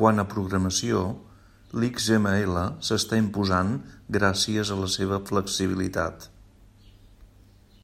Quant a programació, l'XML s'està imposant gràcies a la seva flexibilitat.